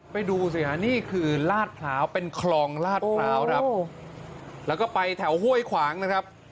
ดูสิฮะนี่คือลาดพร้าวเป็นคลองลาดพร้าวครับแล้วก็ไปแถวห้วยขวางนะครับ